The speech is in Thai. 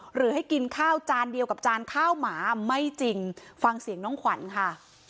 หรือให้กินข้าวจานเดียวกับจานข้าวหมาไม่จริงฟังเสียงน้องขวัญค่ะ